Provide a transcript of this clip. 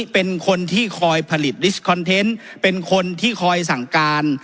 เป็นคนที่คอยผลิตเป็นคนที่คอยสั่งการ